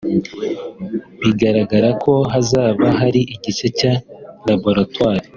bigaragara ko hazaba hari igice cya laboratwari